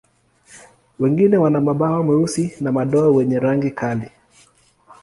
Wengine wana mabawa meusi na madoa wenye rangi kali.